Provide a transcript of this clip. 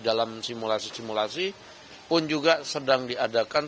dalam simulasi simulasi pun juga sedang diadakan